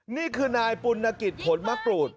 นี่คือนายปุณกิจผลมะกรูด